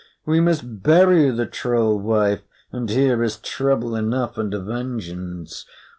We must bury the troll wife, and here is trouble enough, and a vengeance!